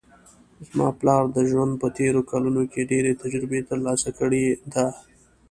زما پلار د ژوند په تېرو کلونو کې ډېر تجربې ترلاسه کړې ده